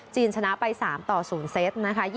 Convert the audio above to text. จีนชนะไป๓ต่อ๐เซต